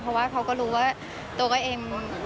เพราะว่าเขาก็รู้ว่าตัวก็เอง